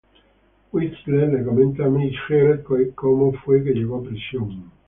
Whistler le comenta a Michael como fue que llegó a prisión.